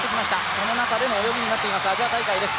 その中での泳ぎになっていますアジア大会です。